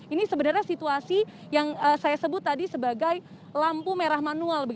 ini sebenarnya situasi yang saya sebut tadi sebagai lampu merah manual